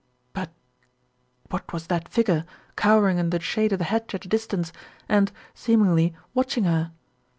But what was that figure cowering under the shade of the hedge at a distance, and seemingly, watching her?